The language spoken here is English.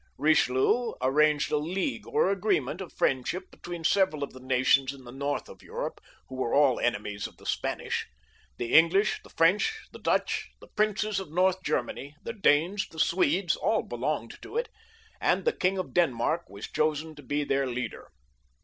Bichelieu arranged a league or agreement of friendship between several of the nations in the north of Europe, who were all enemies of the Spanish. The English, the French, the Dutch, the princes of North Germany, the Danes, the Swedes, all be longed to it, and the King of Denmark was chosen to be their leader.